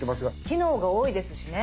機能が多いですしね。